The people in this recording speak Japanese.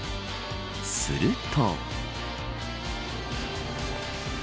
すると。